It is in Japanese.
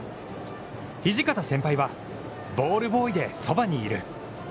土方先輩はボールボーイでそばにいる。